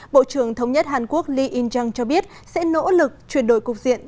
bộ trưởng thống nhất hàn quốc lee in jung cho biết sẽ nỗ lực chuyển đổi cục diện